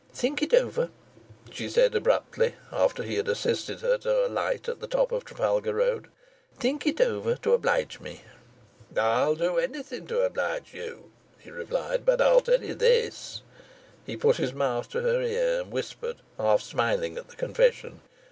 "Think it over," she said abruptly, after he had assisted her to alight at the top of Trafalgar Road. "Think it over, to oblige me." "I'd do anything to oblige you," he replied. "But I'll tell you this" he put his mouth to her ear and whispered, half smiling at the confession.